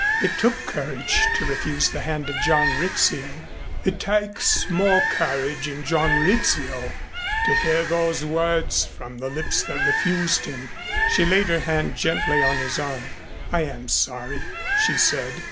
"It took courage to refuse the hand of John Rizzio." "It takes more courage in John Rizzio to hear those words from the lips that refused him." She laid her hand gently on his arm. "I am sorry," she said.